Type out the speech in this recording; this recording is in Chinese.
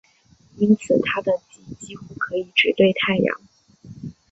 因此它的极几乎可以直对太阳。